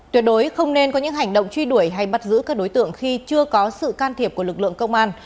tuyệt đối không nên có những hành động truy đuổi hay bắt giữ các đối tượng khi chưa có sự can thiệp của lực lượng công an